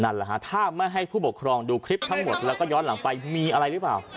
นั่นแหละฮะถ้าไม่ให้ผู้ปกครองดูคลิปทั้งหมดแล้วก็ย้อนหลังไปมีอะไรหรือเปล่า